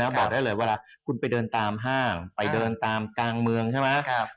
บอกได้เลยเวลาคุณไปเดินตามห้างไปเดินตามกลางเมืองใช่ไหม